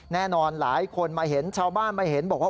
แน่นอนหลายคนมาเห็นชาวบ้านมาเห็นบอกว่า